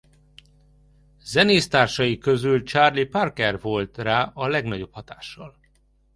Zenésztársai közül Charlie Parker volt rá a legnagyobb hatással.